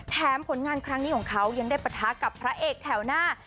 ผลงานครั้งนี้ของเขายังได้ปะทะกับพระเอกแถวหน้า